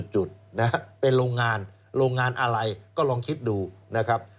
จุดนะครับเป็นโรงงานโรงงานอะไรก็ลองคิดดูนะครับ